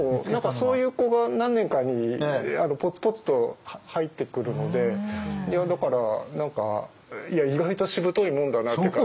そういう子が何年かにぽつぽつと入ってくるのでだから何か意外としぶといもんだなっていうか。